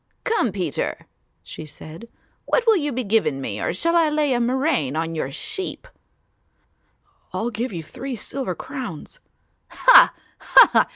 "Come, Peter," she said, "what will you be giving me, or shall I lay a murrain on your sheep?" "I'll give you three silver crowns." "Ha! ha!